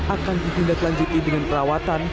akan ditindaklanjuti dengan perawatan